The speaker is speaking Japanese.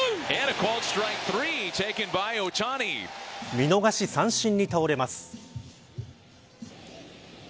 見逃し三振に倒れます。